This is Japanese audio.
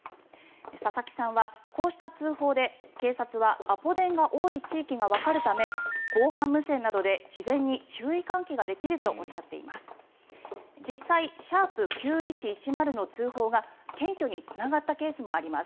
佐々木さんは、こうした通報で警察はアポ電が多い地域がわかるため防犯無線などで事前に注意喚起ができるとおっしゃっています。